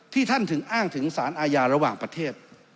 ท่านถึงอ้างถึงสารอาญาระหว่างประเทศ